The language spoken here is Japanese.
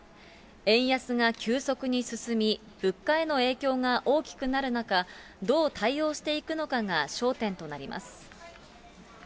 円安が急速に進み、物価への影響が大きくなる中、どう対応していくのかが焦点となります。